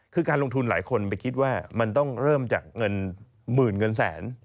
คือการลงทุนหลายคนไปคิดว่ามันต้องเริ่มจากเงินหมื่นเงินแสน